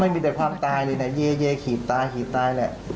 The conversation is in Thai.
ไม่มีแต่ความตายเลยนะเยขีดตายขีดตายแหละ